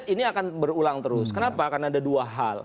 ini akan berulang terus kenapa akan ada dua hal